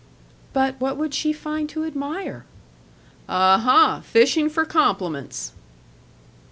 "But what would she find to admire?" "Uh huh, fishing for compliments!"